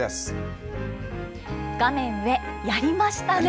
画面上、やりましたね。